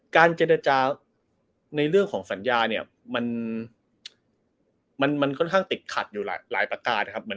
เจรจาในเรื่องของสัญญาเนี่ยมันค่อนข้างติดขัดอยู่หลายประการนะครับ